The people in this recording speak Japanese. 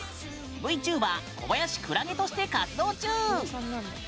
ＶＴｕｂｅｒ小林くらげとして活動中。